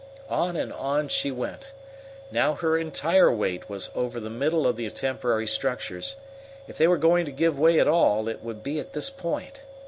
On and on she went. Now her entire weight was over the middle of the temporary structures. If they were going to give way at all, it would be at this point.